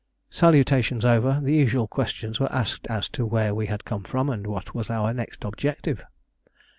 Salutations over, the usual questions were asked as to where we had come from and what was our next objective.